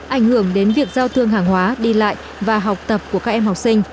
ảnh hưởng đến việc giao thương hàng hóa đi lại và học tập của các em học sinh